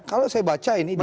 kalau saya baca ini